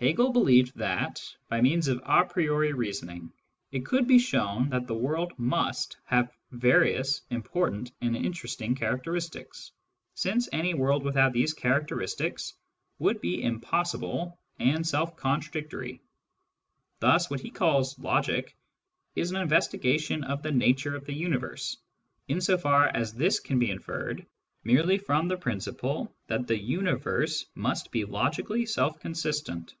Hegel believed that, by means of a priori reasoning, it could .be shown that the world must have various important and interesting characteristics, since any world without these character istics would be impossible and self contradictory. Thus what he calls " logic " is an investigation of the nature of the universe, in so far as this can be inferred merely from the principle that the universe must be logically self consistent.